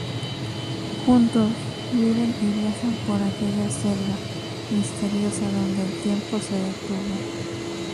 Juntos, viven y viajan por aquella selva misteriosa donde el tiempo se detuvo.